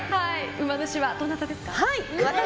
うま主はどなたですか？